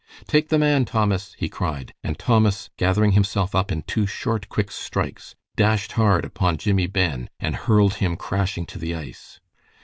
"Take the man, Thomas," he cried, and Thomas, gathering himself up in two short, quick strikes, dashed hard upon Jimmie Ben, and hurled him crashing to the ice.